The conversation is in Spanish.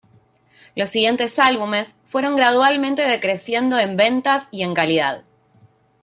Los siguientes álbumes fueron gradualmente decreciendo en ventas y en calidad.